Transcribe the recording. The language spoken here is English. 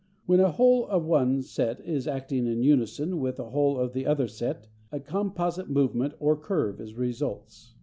When a hole of one set is acting in unison with a hole of the other set a composite movement or curve results.